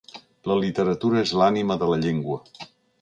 La literatura és l’ànima de la llengua.